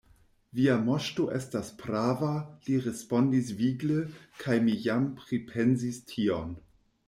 Via moŝto estas prava, li respondis vigle, kaj mi jam pripensis tion.